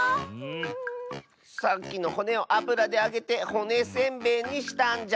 さっきのほねをあぶらであげてほねせんべいにしたんじゃ。